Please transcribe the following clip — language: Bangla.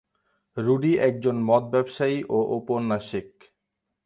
রুডি একজন মদ ব্যবসায়ী ও ঔপন্যাসিক।